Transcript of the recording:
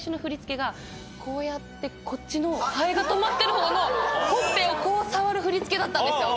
こうやってこっちのハエが止まってるほうのほっぺをこう触る振り付けだったんですよ。